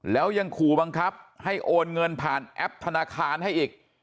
แล้วยังขู่บังคับให้โอนเงินผ่านแอปธนาคารให้อีก